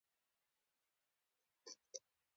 احمدشاه بابا به د ولس هر ږغ اورېده.